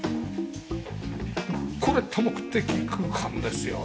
これ多目的空間ですよね。